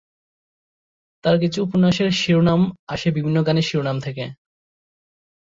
তার কিছু উপন্যাসের শিরোনাম আসে বিভিন্ন গানের শিরোনাম থেকে।